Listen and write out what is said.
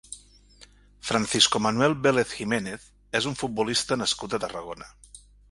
Francisco Manuel Vélez Jiménez és un futbolista nascut a Tarragona.